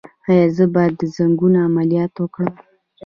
ایا زه باید د زنګون عملیات وکړم؟